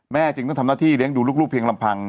จึงต้องทำหน้าที่เลี้ยงดูลูกเพียงลำพัง